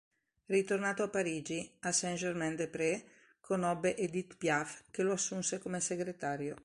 Ritornato a Parigi, a Saint-Germain-des-Prés conobbe Edith Piaf, che lo assunse come segretario.